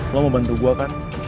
lo mau membantu gue kan